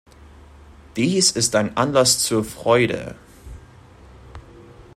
Dies ist ein Anlass zur Freude!